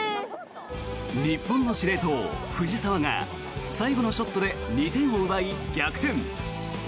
日本の司令塔、藤澤が最後のショットで２点を奪い逆転。